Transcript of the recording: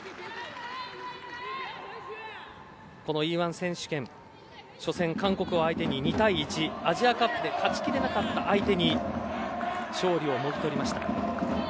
このＥ‐１選手権初戦、韓国を相手に２対１と、アジアカップで勝ちきれなかった相手に勝利をもぎ取りました。